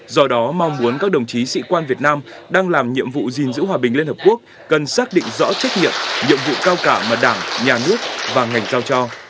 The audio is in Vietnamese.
do đó mong muốn các đồng chí sĩ quan việt nam đang làm nhiệm vụ gìn giữ hòa bình liên hợp quốc cần xác định rõ trách nhiệm nhiệm vụ cao cả mà đảng nhà nước và ngành trao cho